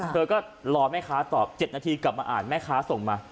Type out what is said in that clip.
เธอก็รอแม่ค้าตอบ๗นาทีกลับมาอ่านแม่ค้าส่งมา